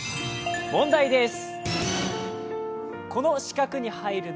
問題です。